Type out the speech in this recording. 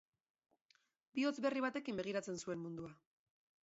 Bihotz berri batekin begiratzen zuen mundua.